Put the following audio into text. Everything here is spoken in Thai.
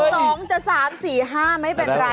แต่๒จะ๓๔๕ไม่เป็นไร